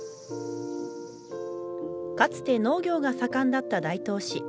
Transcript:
かつて農業が盛んだった大東市。